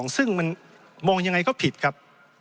ซึ่งมันมองยังไงก็ผิดครับ